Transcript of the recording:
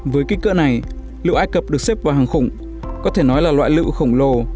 với kích cỡ này liệu ai cập được xếp vào hàng khủng có thể nói là loại lự khổng lồ